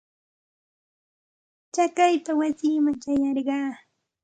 Chakaypa wasiiman ćhayarqaa.